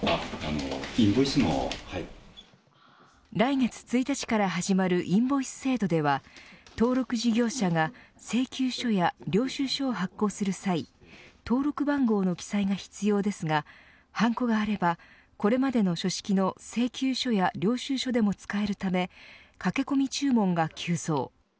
来月１日から始まるインボイス制度では登録事業者が請求書や領収書を発行する際登録番号の記載が必要ですがはんこがあれば、これまでの書式の請求書や領収書でも使えるため駆け込み注文が急増。